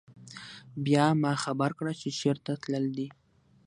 بيا ما خبر کړه چې چرته تلل دي